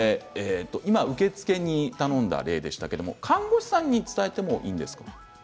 今、受付に頼んだ例でしたが看護師さんに伝えてもいいですか。